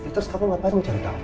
terus kamu ngapain mau cerita